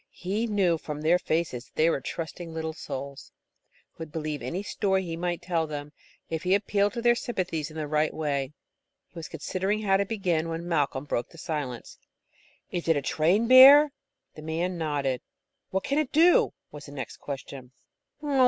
He knew from their faces that they were trusting little souls, who would believe any story he might tell them, if he appealed to their sympathies in the right way. He was considering how to begin, when Malcolm broke the silence. "Is that a trained bear?" The man nodded. "What can it do?" was the next question.